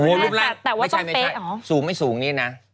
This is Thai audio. โอ้โหรูปล่างไม่ใช่สูงไม่สูงนี้นะ